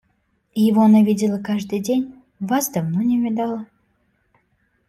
Его она видела каждый день, вас давно не видала.